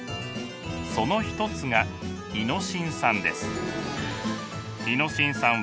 その一つがイノシン酸です。